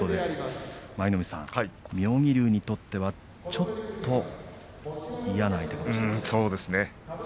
舞の海さん、妙義龍にとってはちょっと嫌な相手かもしれませんね。